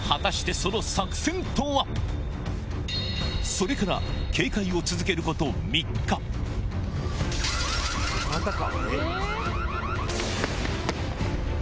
それから警戒を続けること３日了解！